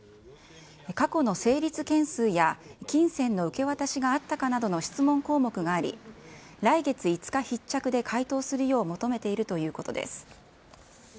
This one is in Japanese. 過去の成立件数や金銭の受け渡しがあったかなどの質問項目があり、来月５日必着で回答するよう求めているということです。